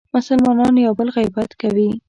مسلمانان یو بل غیبت کوي.